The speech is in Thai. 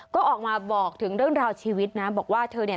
ก็ออกมาบอกถึงเรื่องราวชีวิตนะบอกว่าเธอเนี่ย